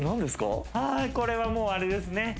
これは、もうあれですね。